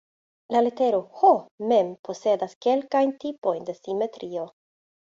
La litero "H" mem posedas kelkajn tipojn de simetrio.